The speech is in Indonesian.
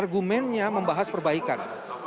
argumennya membahas perbaikan